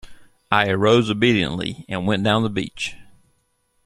I arose obediently and went down the beach.